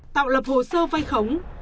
tạo lập hồ sơ vay khống